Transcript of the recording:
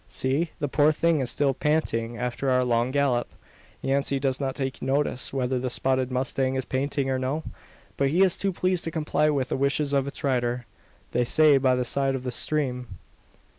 See! the poor thing is still panting after our long gallop." Yancey does not take notice whether the spotted mustang is panting or no. He is but too pleased to comply with the wishes of its rider. They stay by the side of the stream.